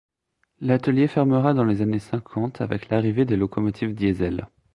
L'atelier fermera dans les années cinquante avec l'arrivée des locomotives diesel.